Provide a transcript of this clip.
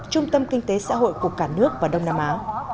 trung tâm kinh tế xã hội của cả nước và đông nam á